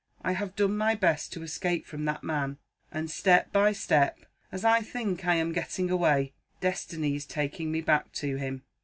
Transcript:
I have done my best to escape from that man; and, step by step, as I think I am getting away, Destiny is taking me back to him.